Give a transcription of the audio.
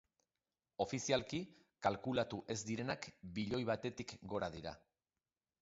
Ofizialki kalkulatu ez direnak bilioi batetik gora dira.